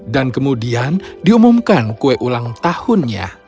dan kemudian diumumkan kue ulang tahunnya